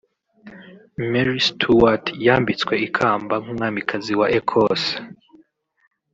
Mary Stuart yambitswe ikamba nk’umwamikazi wa Ecosse